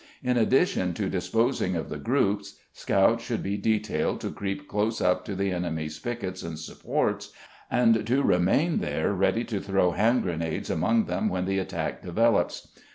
In addition to disposing of the groups, scouts should be detailed to creep close up to the enemy's piquets and supports, and to remain there ready to throw hand grenades among them when the attack develops.